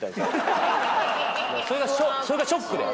それがショックで。